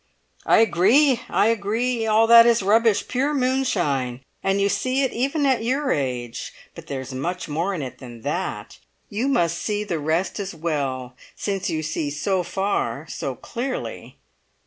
"I agree, I agree! All that is rubbish, pure moonshine; and you see it even at your age! But there's much more in it than that; you must see the rest as well, since you see so far so clearly."